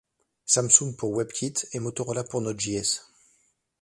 Samsung pour Webkit et Motorola pour Node.js.